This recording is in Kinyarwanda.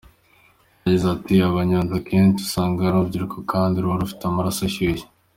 Yagize ati″Abanyonzi akenshi usanga ari urubyiruko kandi ruba rufite amaraso ashyushye.